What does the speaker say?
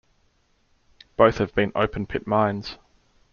Both have been open-pit mines.